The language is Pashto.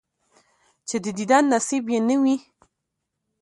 چې د دیدن نصیب یې نه وي،